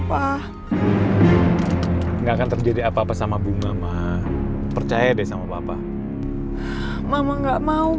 pak enggak akan terjadi apa apa sama bunga ma percaya deh sama papa mama enggak mau